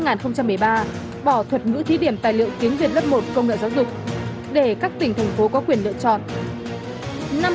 năm hai nghìn một mươi ba bỏ thuật ngữ thí điểm tài liệu tiến viên lớp một công nghệ giáo dục để các tỉnh thùng phố có quyền lựa chọn